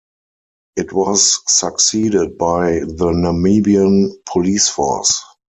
It was succeeded by the Namibian Police Force.